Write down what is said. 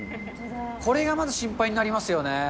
これがまず心配になりますよね。